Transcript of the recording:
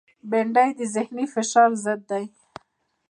بېنډۍ د ذهنی فشار ضد ده